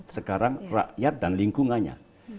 sekarang rakyat dan lingkungannya